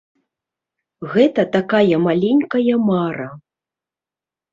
Гэта такая маленькая мара.